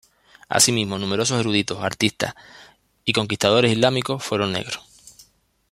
Asimismo numerosos eruditos, artistas y conquistadores islámicos fueron negros.